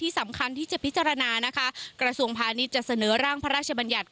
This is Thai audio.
สำคัญที่จะพิจารณานะคะกระทรวงพาณิชย์จะเสนอร่างพระราชบัญญัติ